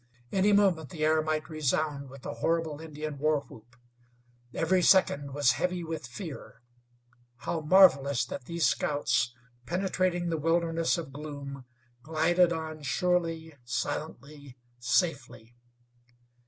Any movement the air might resound with the horrible Indian war whoop. Every second was heavy with fear. How marvelous that these scouts, penetrating the wilderness of gloom, glided on surely, silently, safely!